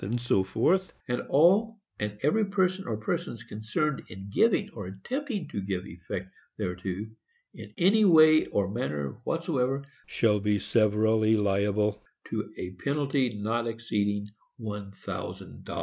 "and all and every person or persons concerned in giving or attempting to give effect thereto, ... in any way or manner whatsoever, shall be severally liable to a penalty not exceeding one thousand dollars."